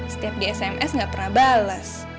setiap di sms nggak pernah bales